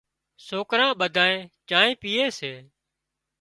سوڪران ٻڌانئين چانه پيئي سي